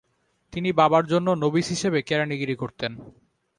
তিনি বাবার জন্য নবিস হিসেবে কেরানিগিরি করতেন।